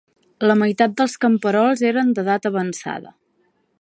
La meitat dels camperols eren d'edat avançada.